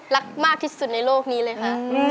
รักมากที่สุดในโลกนี้เลยค่ะ